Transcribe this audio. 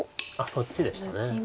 そっちでした。